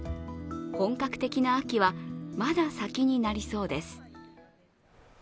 本格的な秋はまだ先になりそうです。